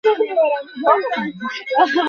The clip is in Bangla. যা পরবর্তীতে পূর্ব পাকিস্তানে বিস্তৃতি লাভ করে।